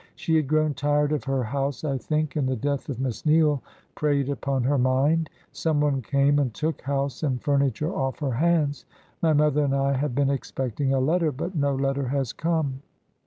"She had grown tired of her house, I think, and the death of Miss Neale preyed upon her mind. Some one came and took house and furniture off her hands. My mother and I have been expecting a letter, but no letter has come."